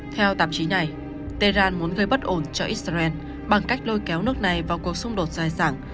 theo tạp chí này tehran muốn gây bất ổn cho israel bằng cách lôi kéo nước này vào cuộc xung đột dài dẳng